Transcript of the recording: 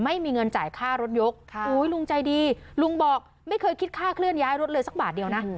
ไม่มีเงินจ่ายค่ารถยกลุงใจดีลุงบอกไม่เคยคิดค่าเคลื่อนย้ายรถเลยสักบาทเดียวนะ